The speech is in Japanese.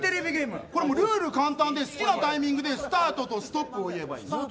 ルール簡単で好きなタイミングでスタートとストップを言えばいい。